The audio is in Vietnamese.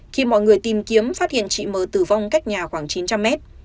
khi mọi người tìm kiếm phát hiện chị m tử vong cách nhà khoảng chín trăm linh mét